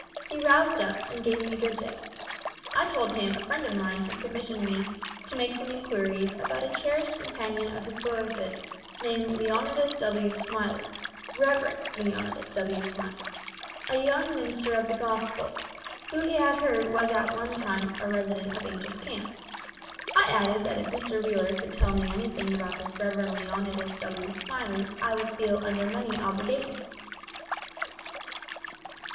He roused up, and gave me good day. I told him a friend of mine had commissioned me to make some inquiries about a cherished companion of his boyhood named Leonidas W. Smiley Reverend Leonidas W. Smiley, a young minister of the Gospel, who he had heard was at one time a resident of Angel's Camp. I added that if Mr. Wheeler could tell me anything about this Reverend Leonidas W. Smiley I would feel under many obligations to him.